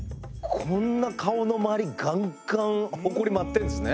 こんな顔のまわりガンガンホコリ舞ってんですね。